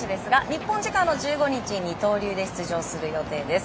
日本時間の１５日二刀流で出場する予定です。